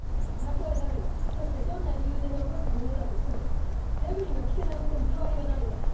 たとえだれがどんな理由で残したものだとしてもデブリが危険な事に変わりはないわ。